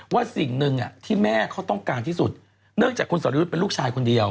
สิ่งหนึ่งที่แม่เขาต้องการที่สุดเนื่องจากคุณสอรยุทธ์เป็นลูกชายคนเดียว